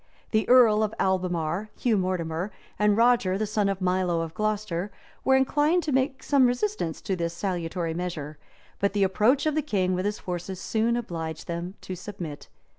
The earl of Albemarle, Hugh Mortimer, and Roger the son of Milo of Glocester, were inclined to make some resistance to this salutary measure; but the approach of the king with his forces soon obliged them to submit.